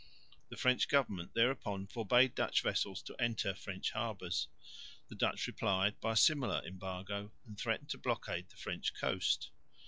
The French government thereupon forbade Dutch vessels to enter French harbours. The Dutch replied by a similar embargo and threatened to blockade the French coast.